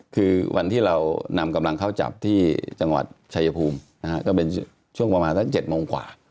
คือวันที่เรานำกำลังเข้าจับที่จังหวัดชายภูมิก็เป็นช่วงประมาณสัก๗โมงกว่า